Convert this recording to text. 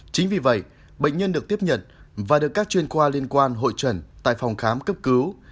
chính vì vậy bệnh nhân được tiếp nhận và được các chuyên qua liên quan hội trần tại phòng khám cấp cứu